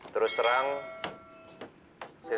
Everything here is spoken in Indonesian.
terus terang saya sudah tidak punya catatan